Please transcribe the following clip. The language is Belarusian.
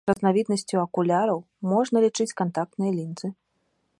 Разнавіднасцю акуляраў можна лічыць кантактныя лінзы.